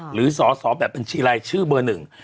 หรือสอสอแบบบัญชีรายชื่อเบอร์หนึ่ง